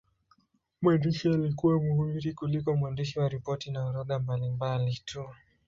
Mwandishi alikuwa mhubiri kuliko mwandishi wa ripoti na orodha mbalimbali tu.